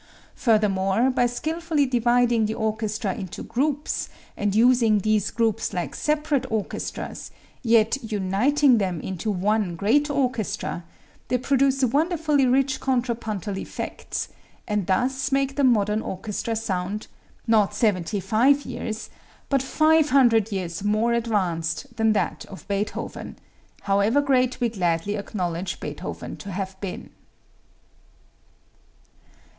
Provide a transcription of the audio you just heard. Furthermore, by skillfully dividing the orchestra into groups and using these groups like separate orchestras, yet uniting them into one great orchestra, they produce wonderfully rich contrapuntal effects, and thus make the modern orchestra sound, not seventy five years, but five hundred years more advanced than that of Beethoven, however great we gladly acknowledge Beethoven to have been.